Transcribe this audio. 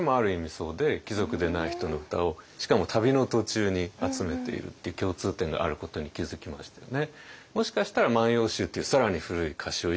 そうで貴族でない人の歌をしかも旅の途中に集めているっていう共通点があることに気付きましてね。